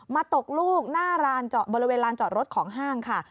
มาตกลูกบริเวณร้านจอดรถของห้างค่ะ